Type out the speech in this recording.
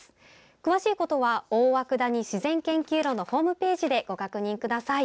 詳しいことは大涌谷自然研究路のホームページでご確認ください。